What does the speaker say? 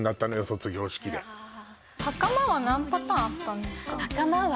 卒業式で袴は何パターンあったんですか？